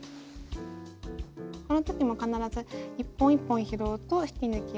この時も必ず一本一本拾うと引き抜きやすいです。